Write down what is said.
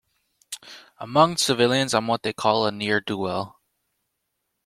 Among civilians I am what they call a ne'er-do-well.